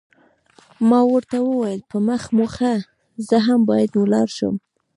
ما ورته وویل، په مخه مو ښه، زه هم باید ولاړ شم.